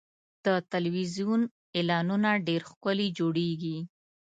د تلویزیون اعلانونه ډېر ښکلي جوړېږي.